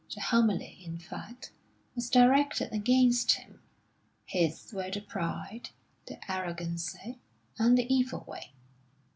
The homily, in fact, was directed against him; his were the pride, the arrogancy, and the evil way.